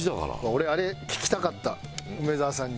俺あれ聞きたかった梅沢さんに。